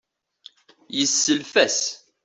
Yesself-as.